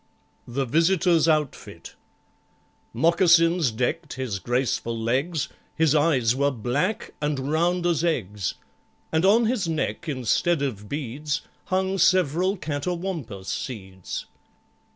The Visitor's Outfit Mocassins decked his graceful legs, His eyes were black, and round as eggs, And on his neck, instead of beads, Hung several Catawampous seeds.